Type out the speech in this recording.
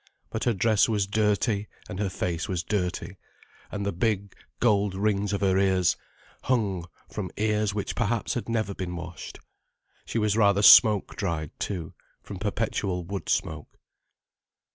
But her dress was dirty, and her face was dirty, and the big gold rings of her ears hung from ears which perhaps had never been washed. She was rather smoke dried too, from perpetual wood smoke.